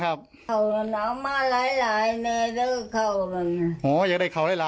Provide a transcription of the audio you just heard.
เทาล็นเอามาไล่อยากได้เทาให็กนะ